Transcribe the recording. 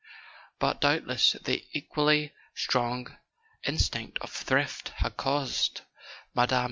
But doubtless the equally strong instinct of thrift had caused Mme.